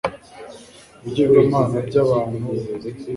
ibigirwamana by abantu bo